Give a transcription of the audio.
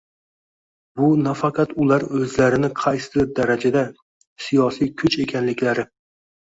bu nafaqat ular o‘zlarini qaysidir darajada siyosiy kuch ekanliklari